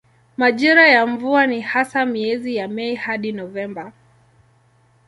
Majira ya mvua ni hasa miezi ya Mei hadi Novemba.